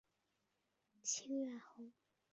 清远侯。